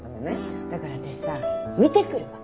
だから私さ見てくるわ。